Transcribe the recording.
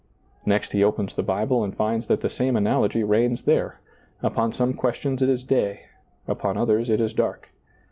Next he opens the Bible and finds that the same analogy reigns there; upon some ques tions it is day, upon others it is dark.